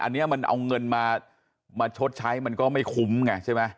อันนี้มันเอาเงินมาชดใช้มันก็ไม่คุ้มไงใช่ไหม